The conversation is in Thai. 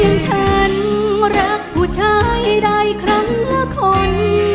อย่างฉันรักผู้ชายใดครั้งละคน